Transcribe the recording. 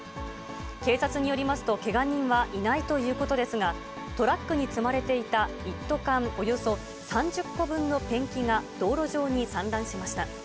警察によりますと、けが人はいないということですが、トラックに積まれていた一斗缶およそ３０個分のペンキが道路上に散乱しました。